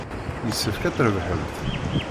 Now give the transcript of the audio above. Yessefk ad trebḥemt.